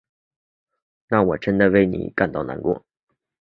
那我真为你感到难过。